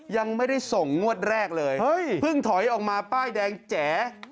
ยังไม่ได้ส่งงวดแรกเลยเพิ่งถอยออกมาป้ายแดงแจ๋